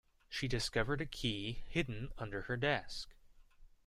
She discovered a key hidden under her desk.